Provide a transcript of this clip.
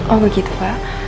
oh begitu pak